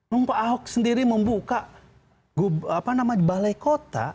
memang pak ahok sendiri membuka balai kota